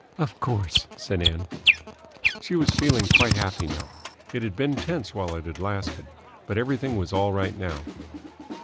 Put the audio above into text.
"Of course," said Ann. She was feeling quite happy now. It had been tense while it had lasted, but everything was all right now.